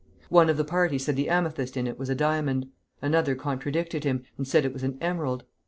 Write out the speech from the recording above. One of the party said the amethyst in it was a diamond; another contradicted him, and said it was an emerald.